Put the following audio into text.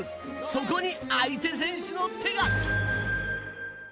そこに相手選手の手が。